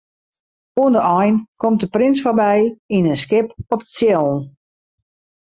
Oan de ein komt de prins foarby yn in skip op tsjillen.